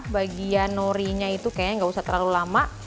bagian norinya itu kayaknya enggak usah terlalu lama